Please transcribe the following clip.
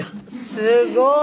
すごい！